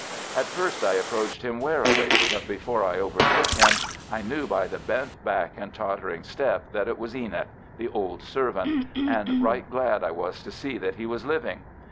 At first I approached him warily, but before I overtook him I knew by the bent back and tottering step that it was Enoch, the old servant, and right glad I was to see that he was living.